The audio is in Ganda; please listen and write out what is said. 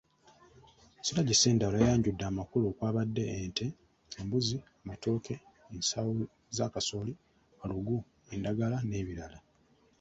Siraje Ssendawula yayanjudde amakula okwabadde; ente, embuzi, amatooke, ensawo za kasooli, balugu, endagala n’ebirala.